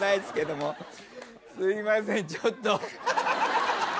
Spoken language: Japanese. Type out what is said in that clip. すいませんちょっと。